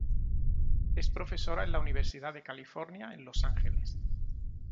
Es profesora en la Universidad de California en Los Ángeles.